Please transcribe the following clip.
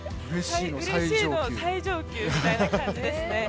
うれしいの最上級みたいな感じですね。